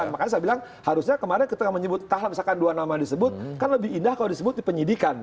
makanya saya bilang harusnya kemarin ketika menyebut tahla misalkan dua nama disebut kan lebih indah kalau disebut di penyidikan